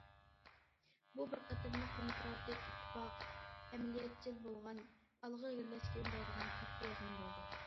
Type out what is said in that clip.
بۇ، بىر قېتىملىق دېموكراتىك، ئىتتىپاق، ئەمەلىيەتچىل بولغان، ئالغا ئىلگىرىلەشكە ئۈندەيدىغان كاتتا يىغىن بولدى.